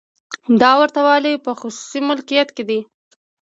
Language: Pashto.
دا ورته والی په خصوصي مالکیت کې دی.